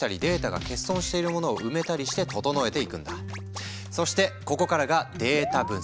一方でそしてここからがデータ分析。